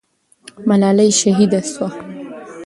ملالۍ شهیده سوه.